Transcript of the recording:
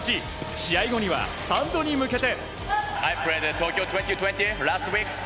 試合後にはスタンドに向けて。